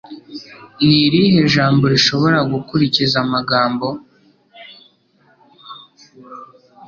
Ni irihe jambo rishobora gukurikiza Amagambo